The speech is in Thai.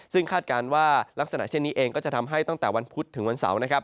ซึ่งคาดการณ์ว่าลักษณะเช่นนี้เองก็จะทำให้ตั้งแต่วันพุธถึงวันเสาร์นะครับ